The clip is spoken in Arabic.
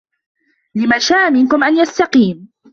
لِمَن شاءَ مِنكُم أَن يَستَقيمَ